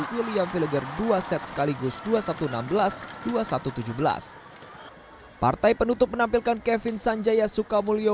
william filegger dua set sekaligus dua puluh satu enam belas dua puluh satu tujuh belas partai penutup menampilkan kevin sanjaya sukamulyo